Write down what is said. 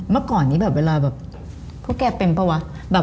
เมื่อก่อนนี้แบบพวกแกเป็นปะวะ